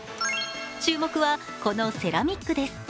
注目はこのセラミックです。